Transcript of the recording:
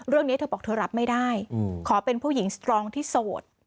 เรื่องนี้เธอบอกเธอรับไม่ได้ขอเป็นผู้หญิงสตรองที่โสด